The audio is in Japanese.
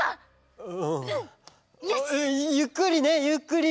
えゆっくりねゆっくり。